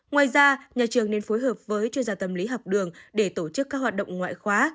ngoài ra nhà trường nên phối hợp với chuyên gia tâm lý học đường để tổ chức các hoạt động ngoại khóa